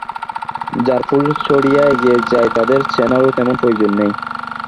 যারা ফুল ছড়িয়ে এগিয়ে যায় তাদের চেনারও তেমন প্রয়োজন নেই।